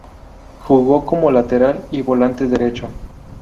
Jugó como lateral y volante derecho.